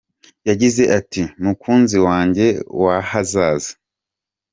Yagize ati “ Mukunzi wanjye w’ahazaza ….